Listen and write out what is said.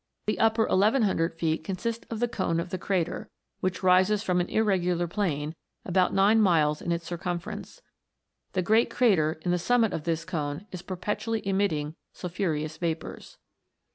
The upper 1100 feet consist of the cone of the crater, which rises from an irregular plain, about nine miles in its circumference. The great crater in the summit of this cone is perpetually emitting sulphureous vapours.